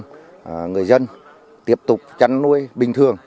để người dân tiếp tục chăn nuôi bình thường